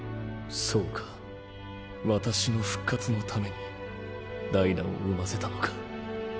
そうか私の復活のためにダイダを生ませたのか